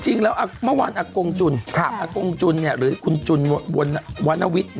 จริงแล้วมันวันอักกงจุนอักกงจุนเนี่ยหรือคุณจุนวนวิ๊ด